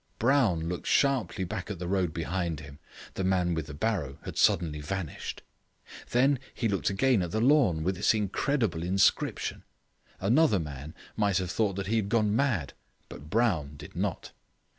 Brown looked sharply back at the road behind him; the man with the barrow had suddenly vanished. Then he looked again at the lawn with its incredible inscription. Another man might have thought he had gone mad, but Brown did not.